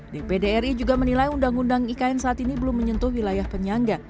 dpd ri juga menilai undang undang ikn saat ini belum menyentuh wilayah penyangga